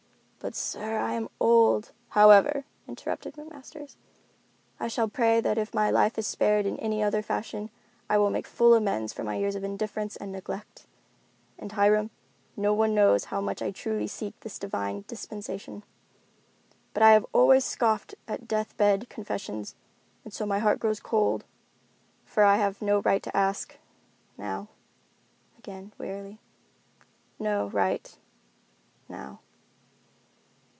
"But, sir, I'm an old——" "However," interrupted McMasters, "I shall pray that if my life is spared in any other fashion, I will make full amends for my years of indifference and neglect. And, Hiram, no one knows how much I truly seek this divine dispensation. But I have always scoffed at death bed confessions, and so my heart grows cold, for I have no right to ask—now." Again, wearily, "No right—now."